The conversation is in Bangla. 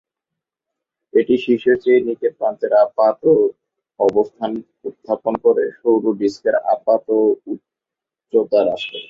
এটি শীর্ষের চেয়ে নিচের প্রান্তের আপাত অবস্থান উত্থাপন করে, সৌর ডিস্কের আপাত উচ্চতা হ্রাস করে।